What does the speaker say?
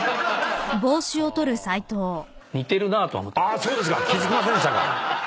あそうですか！気付きませんでしたか。